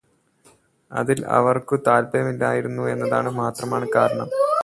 അതില് അവര്ക്കു താത്പര്യമില്ലായിരുന്നു എന്നതു മാത്രമാണ് കാരണം.